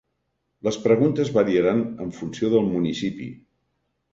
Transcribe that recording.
Les preguntes variaran en funció del municipi.